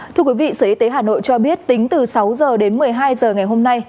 thưa quý vị sở y tế hà nội cho biết tính từ sáu h đến một mươi hai h ngày hôm nay